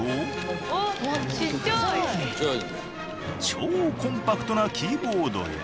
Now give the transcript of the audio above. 超コンパクトなキーボードや。